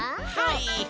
はい。